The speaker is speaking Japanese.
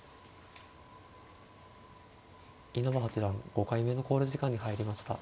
稲葉八段５回目の考慮時間に入りました。